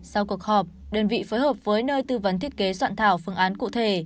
sau cuộc họp đơn vị phối hợp với nơi tư vấn thiết kế soạn thảo phương án cụ thể